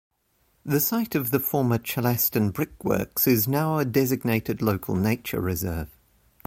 The site of the former Chellaston Brickworks is now a designated Local Nature Reserve.